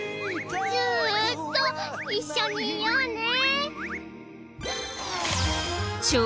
ずーっと一緒にいようね。